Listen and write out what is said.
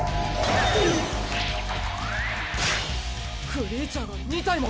クリーチャーが２体も！？